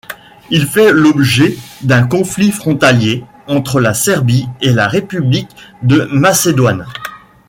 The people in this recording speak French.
Il fait l’objet d’un conflit frontalier entre la Serbie et la République de Macédoine.